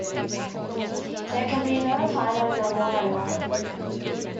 There can be no finer memorial.